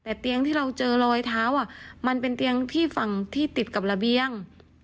แต่เตียงที่เราเจอรอยเท้ามันเป็นเตียงที่ฝั่งที่ติดกับระเบียง